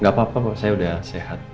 gak apa apa saya udah sehat